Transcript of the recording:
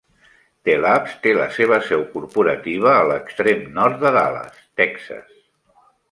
Tellabs té la seva seu corporativa a l'extrem nord de Dallas, Texas.